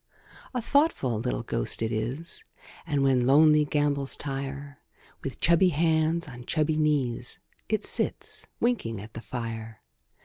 A thoughtful little ghost if is; And, when lonely gambols tire, With chubby hands on chubby knees, It sits winking at the fire.